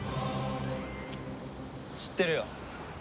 知ってるよ。